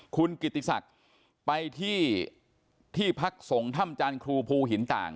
คุณกิติศักดิ์ไปที่ที่พักสงฆ์ถ้ำจานครูภูหินต่าง